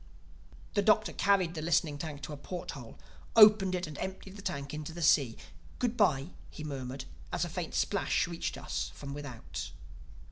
The Doctor carried the listening tank to a port hole, opened it and emptied the tank into the sea. "Good bye!" he murmured as a faint splash reached us from without.